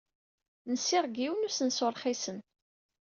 Nsiɣ deg yiwen n usensu rxisen.